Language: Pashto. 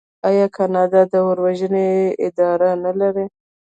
آیا کاناډا د اور وژنې اداره نلري؟